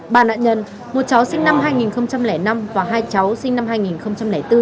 ba nạn nhân một cháu sinh năm hai nghìn năm và hai cháu sinh năm hai nghìn bốn